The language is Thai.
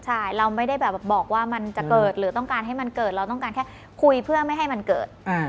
ใช่เราไม่ได้แบบบอกว่ามันจะเกิดหรือต้องการให้มันเกิดเราต้องการแค่คุยเพื่อไม่ให้มันเกิด